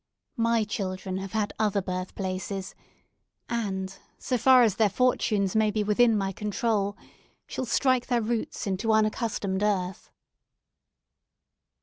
My children have had other birth places, and, so far as their fortunes may be within my control, shall strike their roots into unaccustomed earth.